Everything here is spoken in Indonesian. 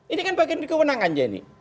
ini kan bagian dari kewenangannya ini